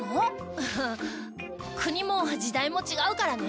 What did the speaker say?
国も時代も違うからねえ。